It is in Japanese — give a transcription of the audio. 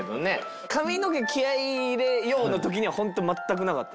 髪の毛気合入れようの時にはホント全くなかった？